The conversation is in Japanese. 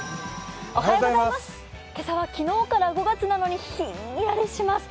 今朝は、昨日から５月なのにひんやりします。